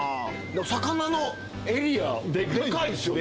魚のエリアデカいっすよね？